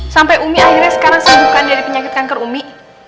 sampai umi akhirnya sekarang sembuhkan dari penyakit kanker umi